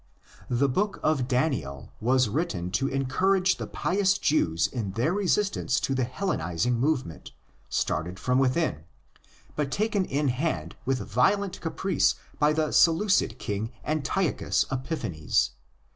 The Book of Daniel was written to encourage the pious Jews in their resistance to the Hellenising movement, started from within, but taken in hand with violent caprice by the Seleucid King Antiochus Epiphanes.